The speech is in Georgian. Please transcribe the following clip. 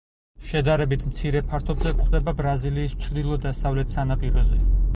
შედარებით მცირე ფართობზე გვხვდება ბრაზილიის ჩრდილო-დასავლეთ სანაპიროზე.